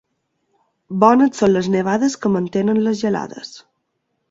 Bones són les nevades que mantenen les gelades.